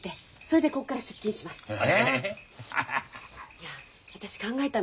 いや私考えたの。